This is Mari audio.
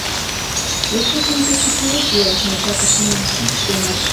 Эше кум кече кӱлеш лие мешакыш имым тич темаш.